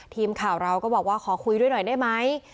ทีมข่าวเราก็บอกว่าขอคุยด้วยหน่อยได้ไหม